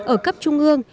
ở cấp trung ương